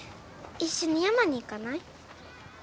一緒に山に行かない？